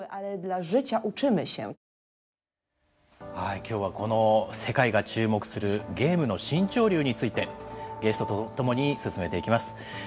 今日はこの世界が注目するゲームの新潮流についてゲストと共に進めていきます。